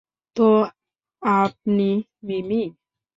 তো আপনি মিমি?